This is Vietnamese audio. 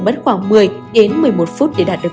mất khoảng một mươi đến một mươi một phút để đạt được